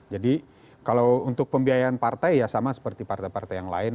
jadi kalau untuk pembiayaan partai ya sama seperti partai partai yang lain